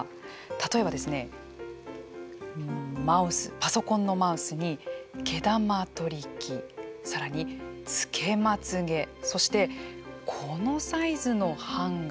例えばですね、マウスパソコンのマウスに毛玉取り器さらに、つけまつげそして、このサイズのハンガー。